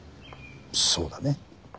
そうだね。